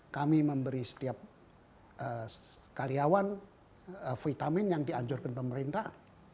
kami memberi setiap karyawan vitamin yang dianjurkan pemerintah